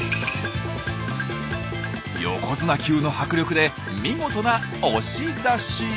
横綱級の迫力で見事な押し出し。